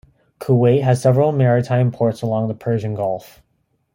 Kuwait has several maritime ports along the Persian Gulf.